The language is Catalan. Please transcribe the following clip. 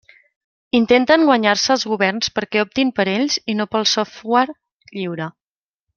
Intenten guanyar-se els governs perquè optin per ells i no pel software lliure.